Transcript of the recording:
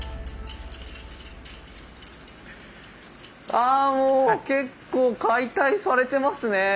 あもう結構解体されてますね。